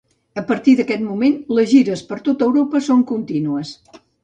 A partir d'aquest moment, les gires per tot Europa són contínues.